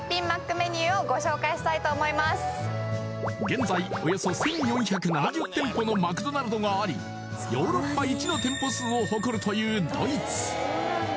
現在のマクドナルドがありヨーロッパ１の店舗数を誇るというドイツ